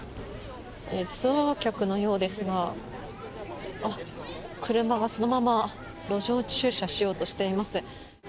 ツアー客のようですが車がそのまま路上駐車しようとしています。